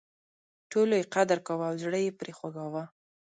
ټولو یې قدر کاوه او زړه یې پر خوږاوه.